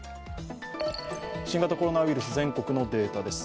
新型コロナウイルス、全国のデータです。